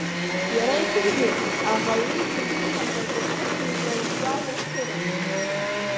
Иара иԥижәеит аӷа иитәыз ихьанҭаз атехника жәаҩа цыра.